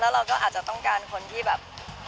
เราก็อาจจะต้องการคนที่แบบ